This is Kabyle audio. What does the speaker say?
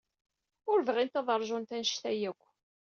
Ur bɣint ad ṛjunt anect-a akk.